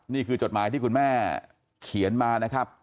จดหมายที่คุณแม่เขียนมานะครับ